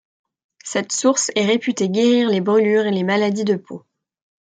Cette source est réputée guérir les brûlures et les maladies de peau.